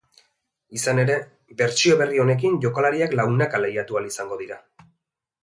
Izan ere, bertsio berri honekin jokalariak launaka lehiatu ahal izango dira.